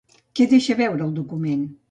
Què deixa veure el document?